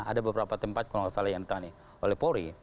ada beberapa tempat kalau nggak salah yang ditangani oleh polri